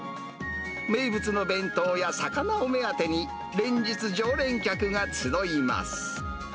名物の弁当や魚を目当てに、連日、常連客が集います。